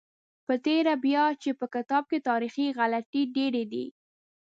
په تېره بیا چې په کتاب کې تاریخي غلطۍ ډېرې دي.